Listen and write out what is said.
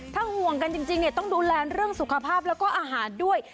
ถ้าห่วงกันจริงต้องดูแลเรื่องสุขภาพแล้วก็อาหารด้วย